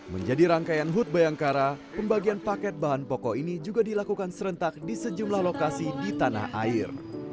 menjadi rangkaian hut bayangkara pembagian paket bahan pokok ini juga dilakukan serentak di sejumlah lokasi di tanah air